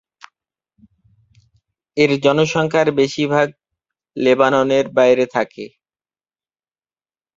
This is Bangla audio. এর জনসংখ্যার বেশিরভাগ লেবাননের বাইরে থাকে।